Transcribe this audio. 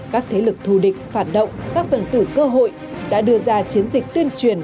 các thế lực thù địch phản động các phần tử cơ hội đã đưa ra chiến dịch tuyên truyền